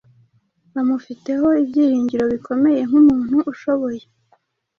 bamufiteho ibyiringiro bikomeye nk’umuntu ushoboye